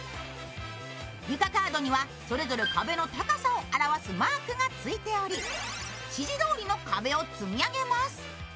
床カードにはそれぞれ壁の高さを表すマークがついており指示通りの壁を積み上げます。